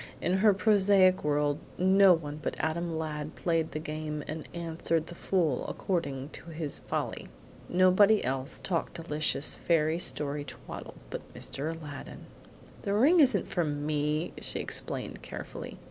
In her prosaic world no one but Adam Ladd played the game and answered the fool according to his folly. Nobody else talked delicious fairy story twaddle but Mr. Aladdin. "The ring isn't for ME!" she explained carefully.